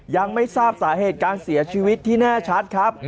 ยังไม่ทราบสาเหตุการเสียชีวิตที่แน่ชัดครับ